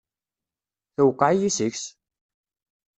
Tewqeɛ-iyi seg-s!